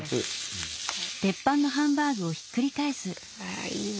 あいいな。